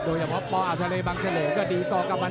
โดยเฉพาะวัลดรบรรเธรวินาการ